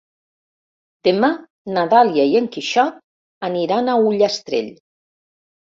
Demà na Dàlia i en Quixot aniran a Ullastrell.